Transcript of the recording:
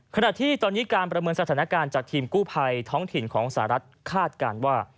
ขณะที่ตอนนี้การประเมินสถานการณ์จากทีมกู้ภัยท้องถิ่นของสหรัฐคาดการณ์ว่า